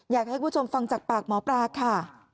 อยากให้คุณผู้ชมฟังจากปากหมอปลาค่ะ